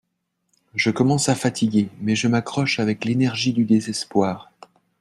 Je commence à fatiguer mais je m'accroche avec l'énergie du désespoir